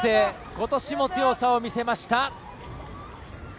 ことしも強さを見せました。